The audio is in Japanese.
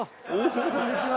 こんにちは。